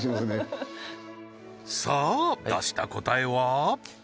ふふっさあ出した答えは？